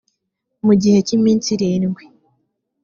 mu gihe cy iminsi irindwi